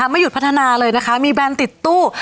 ไม่หยุดพัฒนาเลยนะคะมีแบรนด์ติดตู้